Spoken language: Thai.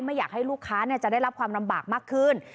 ไม่อยากให้ลูกค้าจะได้รับความลำบากมากขึ้น